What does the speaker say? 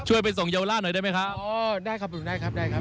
ไปส่งเยาวราชหน่อยได้ไหมครับอ๋อได้ครับผมได้ครับได้ครับ